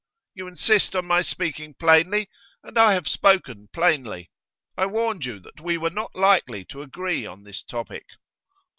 You insist on my speaking plainly, and I have spoken plainly. I warned you that we were not likely to agree on this topic.